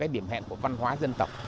điểm hẹn của văn hóa dân tộc